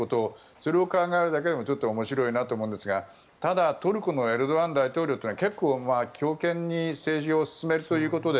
それを考えるだけでも面白いなと思ってしまうんですがただトルコのエルドアン大統領というのは結構、強権に政治を進めるということで